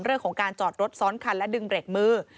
เรื่องของการจอดรถซ้อนคันและดึงเบรกมือ